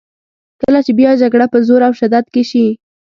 کله چې بیا جګړه په زور او شدت کې شي.